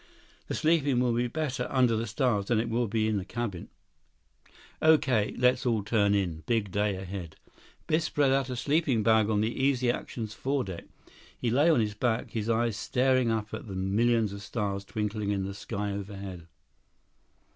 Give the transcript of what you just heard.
The sleeping will be better under the stars than it will be in the cabin." "Okay, let's all turn in. Big day ahead." Biff spread out a sleeping bag on the Easy Action's foredeck. He lay on his back, his eyes staring up and the millions of stars twinkling in the sky overhead.